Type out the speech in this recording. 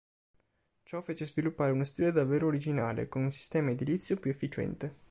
Ciò fece sviluppare uno stile davvero originale, con un sistema edilizio più efficiente.